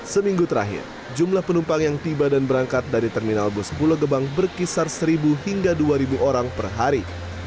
seminggu terakhir jumlah penumpang yang tiba dan berangkat dari terminal bus pulau gebang berkisar seribu hingga dua orang per hari